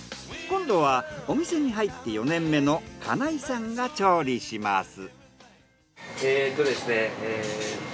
今度はお店に入って４年目の金井さんが調理します。